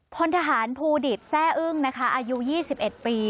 พลทหารภูดิษฐ์แซ่อึ้งอายุ๒๑ปี